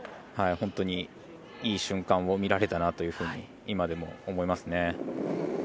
本当にいい瞬間を見られたなというふうに今でも思いますね。